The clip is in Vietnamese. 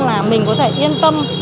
là mình có thể yên tâm